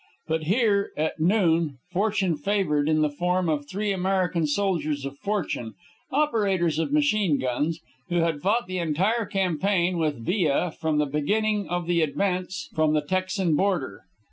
But here, at noon, fortune favored in the form of three American soldiers of fortune, operators of machine guns, who had fought the entire campaign with Villa from the beginning of the advance from the Texan border.